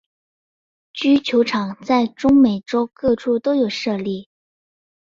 蹴球场在中美洲各处都有设立。